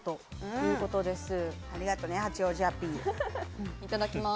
いただきます。